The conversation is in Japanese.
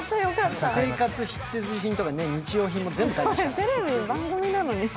生活必需品とか日用品とかも全部買いましたから。